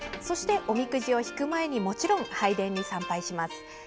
そして、おみくじを引く前にもちろん拝殿に参拝します。